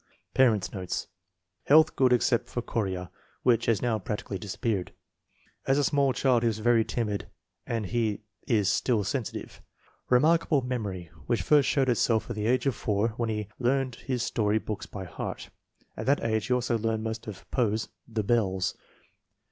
Parents 9 notes. Health good except for chorea, which has now practically disappeared. As a small child he was very timid, and he is still sensitive. Re markable memory, which first showed itself at the age of 4, when he learned his story books by heart. At that age he also learned most of Foe's The Bells.